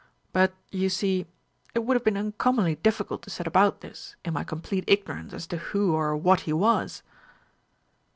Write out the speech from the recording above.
But, you see, it would have been uncommonly difficult to set about this, in my complete ignorance as to who or what he was."